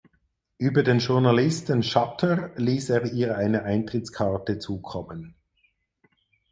Über den Journalisten Shutter ließ er ihr eine Eintrittskarte zukommen.